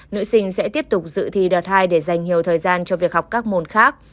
nữ sinh sẽ tiếp tục dự thi đợt hai để dành nhiều thời gian cho việc học các môn khác